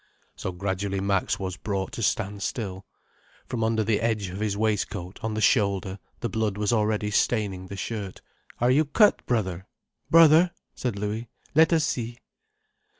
So gradually Max was brought to stand still. From under the edge of his waistcoat, on the shoulder, the blood was already staining the shirt. "Are you cut, brother, brother?" said Louis. "Let us see."